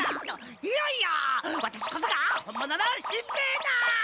いやいやワタシこそが本物のしんべヱだ！